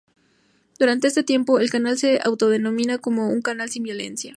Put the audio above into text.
Durante este tiempo el canal se autodenomina como un canal sin violencia.